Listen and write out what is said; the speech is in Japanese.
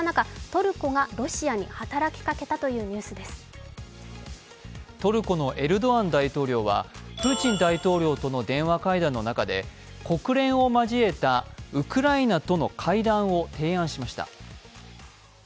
トルコのエルドアン大統領はプーチン大統領との電話会談の中で国連を交えた、ウクライナとの会談を提案しました。